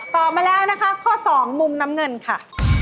มาแล้วนะคะข้อ๒มุมน้ำเงินค่ะ